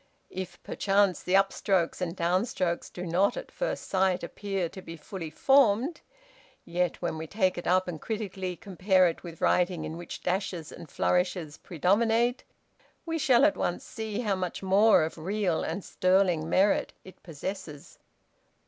If perchance the upstrokes and downstrokes do not, at first sight, appear to be fully formed, yet when we take it up and critically compare it with writing in which dashes and flourishes predominate, we shall at once see how much more of real and sterling merit it possesses.